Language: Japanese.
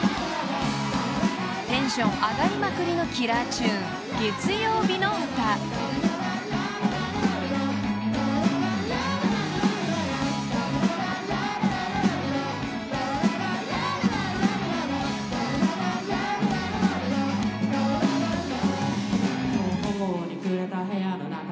［テンション上がりまくりのキラーチューン］いくぞ！